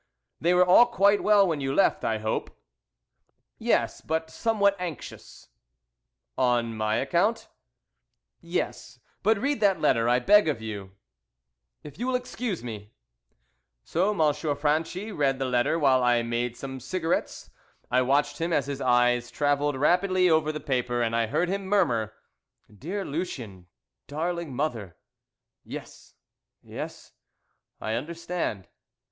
"They were all quite well when you left, I hope?" "Yes, but somewhat anxious." "On my account?" "Yes; but read that letter, I beg of you." "If you will excuse me." So Monsieur Franchi read the letter while I made some cigarettes. I watched him as his eyes travelled rapidly over the paper, and I heard him murmur, "Dear Lucien, Darling Mother yes yes I understand."